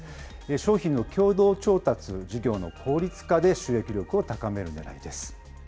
商品の共同調達、事業の効率化で収益力を高めるねらいです。